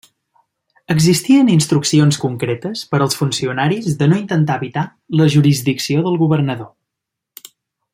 Existien instruccions concretes per als funcionaris de no intentar evitar la jurisdicció del governador.